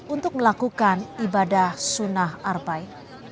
untuk melakukan ibadah sunnah arbai